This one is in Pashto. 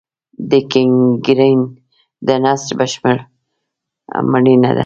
د ګینګرین د نسج بشپړ مړینه ده.